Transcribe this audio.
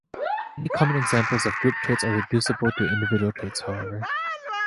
Many common examples of group traits are reducible to individual traits, however.